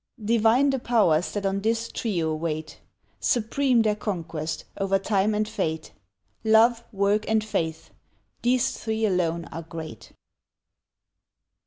Divine the Powers that on this trio wait. Supreme their conquest, over Time and Fate. Love, Work, and Faith—these three alone are great.